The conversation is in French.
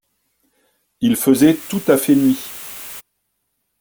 Il faisait tout à fait nuit.